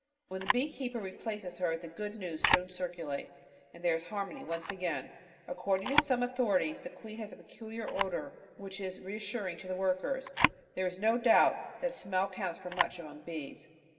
When the bee keeper replaces her, the good news soon circulates, and there is harmony once more. According to some authorities, the queen has a peculiar odour which is reassuring to the workers. There is no doubt that smell counts for much among bees.